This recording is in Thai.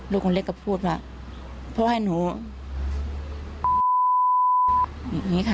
คนเล็กก็พูดว่าพ่อให้หนูอย่างนี้ค่ะ